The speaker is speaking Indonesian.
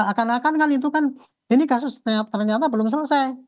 akan akan kan itu kan ini kasus ternyata belum selesai